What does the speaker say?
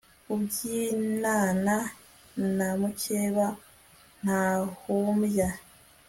ubyinana na mucyeba ntahumbya